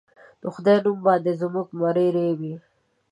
د خدای نوم باندې زموږه مرۍ رېبي